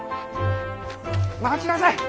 待ちなさい！